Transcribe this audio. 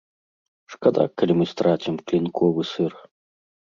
Шкада, калі мы страцім клінковы сыр.